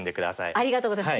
ありがとうございます。